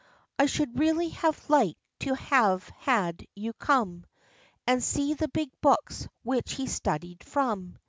I should really have liked to have had you come, And see the big books which he studied from.